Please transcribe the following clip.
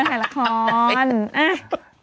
เอาไปถ่ายละคร